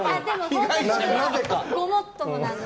ごもっともなので。